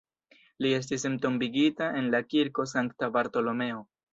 Li estis entombigita en la Kirko Sankta Bartolomeo.